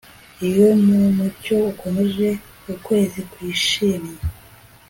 Iyo mumucyo ukomeje ukwezi kwishimye